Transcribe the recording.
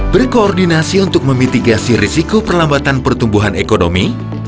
berkoordinasi untuk memitigasi risiko perlambatan pertumbuhan ekonomi